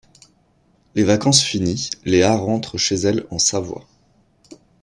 Les vacances finies, Léa rentre chez elle en Savoie.